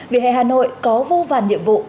vỉa hè hà nội có vô vàn nhiệm vụ